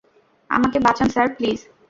আমাকে বাচান sir, please.